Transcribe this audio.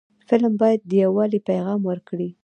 فلم باید د یووالي پیغام ورکړي